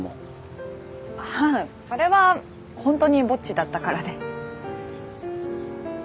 ああそれは本当にぼっちだったからで。